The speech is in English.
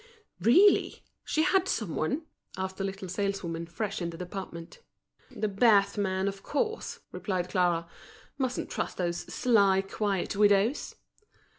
"Really! she had some one?" asked a little saleswoman, fresh in the department. "The bath man, of course!" replied Clara. "Mustn't trust those sly, quiet widows."